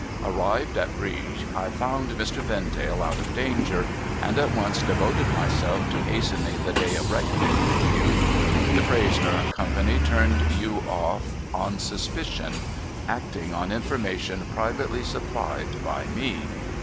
Arrived at Brieg, I found Mr. Vendale out of danger, and at once devoted myself to hastening the day of reckoning with you. Defresnier and Company turned you off on suspicion ; acting on information privately supplied by me.